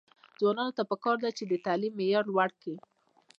ځوانانو ته پکار ده چې، تعلیم معیار لوړ کړي.